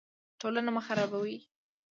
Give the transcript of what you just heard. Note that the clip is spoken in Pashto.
ټولنه مه خرابوئ